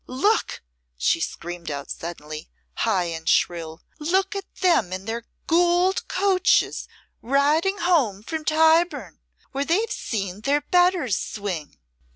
"Look!" she screamed out suddenly, high and shrill; "look at them in their goold coaches riding home from Tyburn, where they've seen their betters swing!"